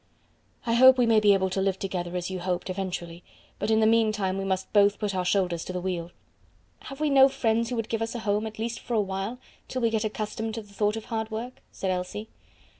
"I hope we may be able to live together as you hoped, eventually; but in the meantime we must both put our shoulders to the wheel." "Have we no friends who would give us a home at least for a while, till we get accustomed to the thought of hard work?" said Elsie.